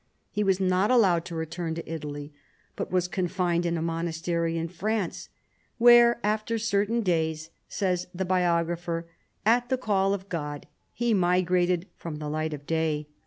He was not allowed to return to Italy, but was confined in a monastery in France, " where after certain days," says the biog rapher, " at the call of God he migrated from the light of day."